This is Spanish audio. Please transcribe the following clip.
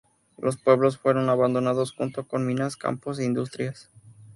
Los pueblos fueron abandonados, junto con minas, campos e industrias.